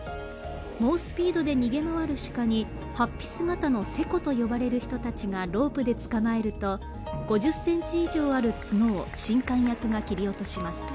猛スピードで逃げ回る鹿に法被姿の勢子と呼ばれる人たちがロープで捕まえると５０ｃｍ以上ある角を神官役が切り落とします。